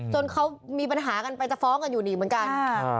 เขามีปัญหากันไปจะฟ้องกันอยู่ดีเหมือนกัน